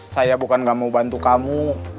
saya bukan gak mau bantu kamu